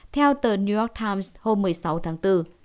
theo tờ new york times hôm một mươi sáu tháng bốn